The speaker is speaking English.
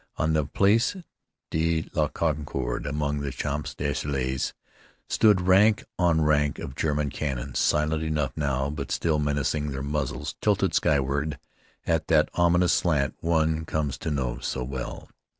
On the Place de la Concorde and along the Champs Elysees stood rank on rank of German cannon, silent enough now, but still menacing, their muzzles tilted skyward at that ominous slant one came to know so well.